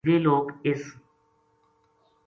ویہ لوک اِس